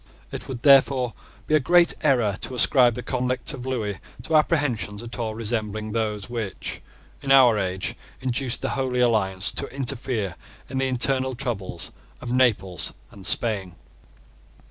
It would therefore be a great error to ascribe the conduct of Lewis to apprehensions at all resembling those which, in our age, induced the Holy Alliance to interfere in the internal troubles of Naples and Spain.